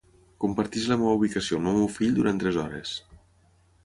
Comparteix la meva ubicació amb el meu fill durant tres hores.